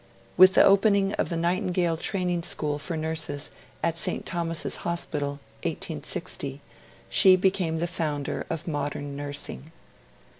With the opening of the Nightingale Training School for Nurses at St. Thomas's Hospital (1860), she became the founder of modern nursing.